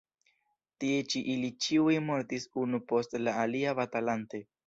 Tie ĉi ili ĉiuj mortis unu post la alia batalante.